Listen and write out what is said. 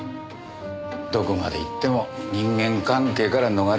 どこまでいっても人間関係からは逃れられない。